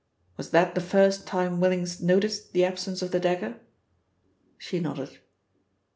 Was that the first time Willings noticed the absence of the dagger?" She nodded.